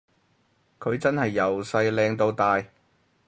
佢真係由細靚到大